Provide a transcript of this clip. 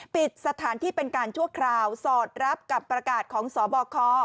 ปิดสถานที่เป็นการชั่วคราวสอดรับกับประกาศของสบค